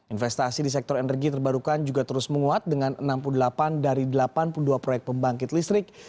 investasi di sektor energi terbarukan juga terus menguat dengan enam puluh delapan dari delapan puluh dua proyek pembangkit listrik